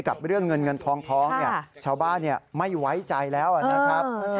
กับเรื่องเงินเงินทองชาวบ้านไม่ไว้ใจแล้วนะครับ